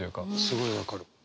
すごい分かる。